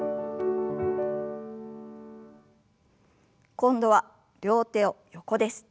今度は両手を横です。